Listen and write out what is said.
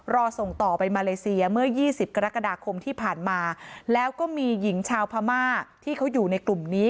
ส่งต่อไปมาเลเซียเมื่อ๒๐กรกฎาคมที่ผ่านมาแล้วก็มีหญิงชาวพม่าที่เขาอยู่ในกลุ่มนี้